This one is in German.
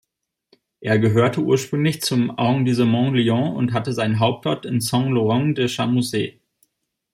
Er gehörte ursprünglich zum Arrondissement Lyon und hatte seinen Hauptort in Saint-Laurent-de-Chamousset.